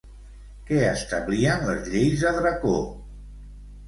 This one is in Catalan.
Què establien les lleis de Dracó?